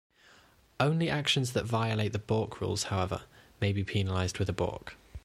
Only actions that violate the balk rules, however, may be penalized with a balk.